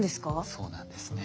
そうなんですね。